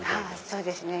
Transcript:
そうですね